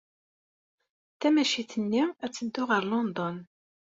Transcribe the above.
Tamacint-nni ad teddu ɣer London.